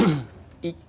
hukum sama politik